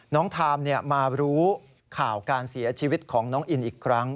ทามมารู้ข่าวการเสียชีวิตของน้องอินอีกครั้ง